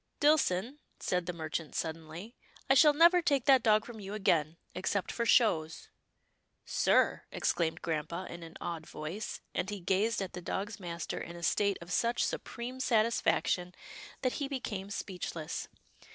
" Dillson/' said the merchant, suddenly, " I shall never take that dog from you again, except for shows." " Sir," exclaimed grampa in an awed voice, and he gazed at the dog's master in a state of such supreme satisfaction that he became speechless.